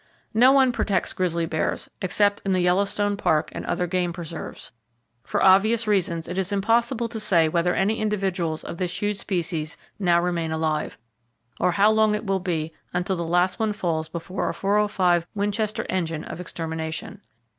—No one protects grizzly bears, except in the Yellowstone Park and other game preserves. For obvious reasons, it is impossible to say whether any individuals of this huge species now remain alive, or how long it will be until the last one falls before a .405 Winchester engine of extermination.